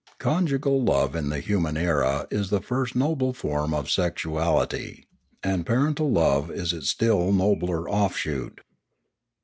Conjugal love in the human era is the first noble form of sexual ity; and parental love is its still nobler offshoot.